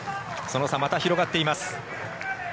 その差、また広がっています。